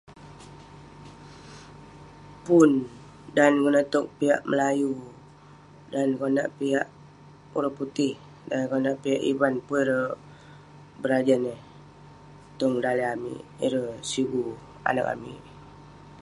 Pun dan konak tok piak melayu dan konak piak orang putik eh konak piak Ivan pun ireh berajan eh tong daleh amik ireh sigh anag amik